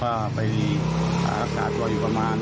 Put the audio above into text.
แล้วก็ยังได้เข้าสู่โรงพยาบาล